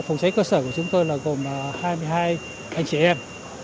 phòng cháy cơ sở của chúng tôi là gồm hai mươi hai anh chị em